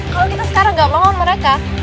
kalau kita sekarang gak mau mereka